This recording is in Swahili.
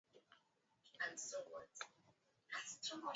Usafi hafifu wa maboma hupelekea ugonjwa wa kiwele kutokea